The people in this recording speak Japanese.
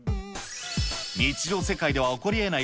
日常世界では起こりえない